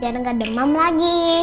jangan gak demam lagi